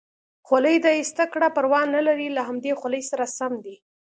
خولۍ دې ایسته کړه، پروا نه لري له همدې خولۍ سره سم دی.